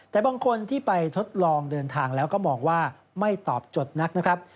แต่บางคนที่ไปทดลองเดินทางแล้วก็มองว่าไม่ตอบจดนักนะครับ